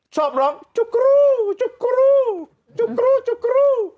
ชอบร้องจุ๊กรูจุ๊กกรูจุ๊กรูจุ๊กรู